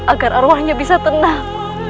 agar arwahnya bisa tenang